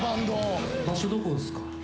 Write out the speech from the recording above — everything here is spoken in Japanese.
どこっすか？